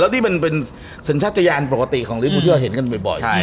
นี่มันเป็นสัญชาติยานปกติของลิฟูที่เราเห็นกันบ่อย